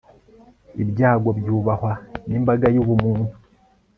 ibyago byubahwa nimbaga yubumuntu